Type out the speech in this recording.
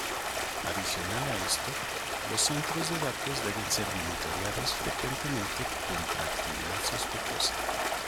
Adicional a esto, los centros de datos deben ser monitoreados frecuentemente contra actividad sospechosa.